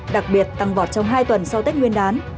đặc biệt tăng vọt trong hai tuần sau tết nguyên đán